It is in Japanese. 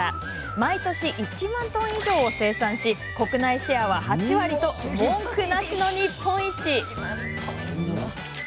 毎年１万トン以上を生産し国内シェアは８割と文句なしの日本一。